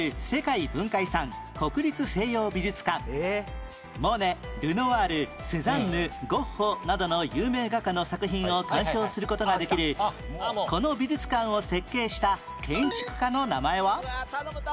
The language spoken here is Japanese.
上野にあるモネルノワールセザンヌゴッホなどの有名画家の作品を鑑賞する事ができるこの美術館を設計した建築家の名前は？